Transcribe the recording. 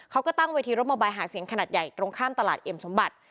เขาก็ตั้งเวทีรมอบายหาเสียงขนาดใหญ่ตรงข้ามตลาดเอ็มสมบัติ